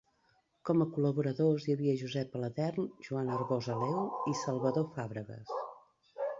Com a col·laboradors hi havia Josep Aladern, Joan Arbós Aleu i Salvador Fàbregues.